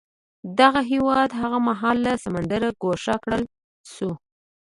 دغه هېواد هغه مهال له سمندره ګوښه کړل شو.